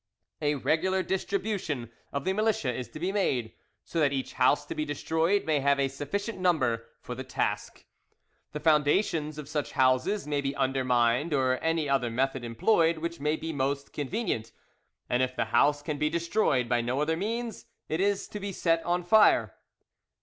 A regular distribution of the militia is to be made, so that each house to be destroyed may have a sufficient number, for the task; the foundations of such houses may be undermined or any other method employed which may be most convenient; and if the house can be destroyed by no other means, it is to be set on fire.